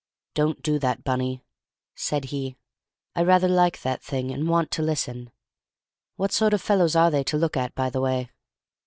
"Don't do that, Bunny," said he. "I rather like that thing, and want to listen. What sort of fellows are they to look at, by the way?"